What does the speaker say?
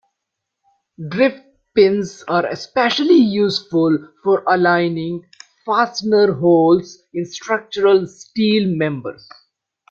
Drift pins are especially useful for aligning fastener holes in structural steel members.